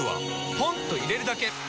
ポンと入れるだけ！